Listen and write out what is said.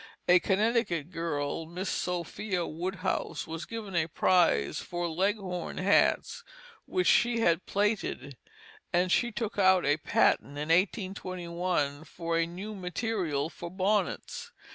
A Connecticut girl, Miss Sophia Woodhouse, was given a prize for "leghorn hats" which she had plaited; and she took out a patent in 1821 for a new material for bonnets.